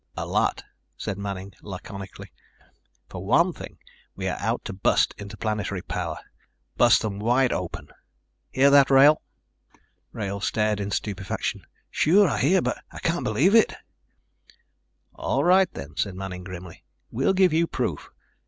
"A lot," said Manning laconically. "For one thing we are out to bust Interplanetary Power. Bust them wide open. Hear that, Wrail?" Wrail stared in stupefaction. "Sure, I hear. But I can't believe it." "All right then," said Manning grimly, "we'll give you proof.